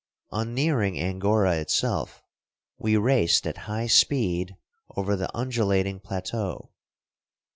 On nearing Angora itself, we raced at high speed over the undulating plateau.